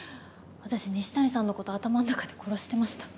私西谷さんのこと頭の中で殺してました。